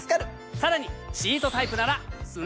さらにシートタイプならスマホまで。